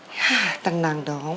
ya tenang dong